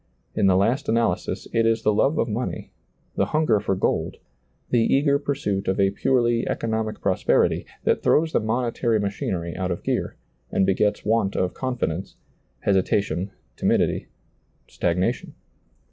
In the last analysis it is the love of money, the hunger for gold, the eager pursuit of a purely economic prosperity, that throws the monetary machinery out of gear, and begets want of confidence, hesitation, timidity, stagnation.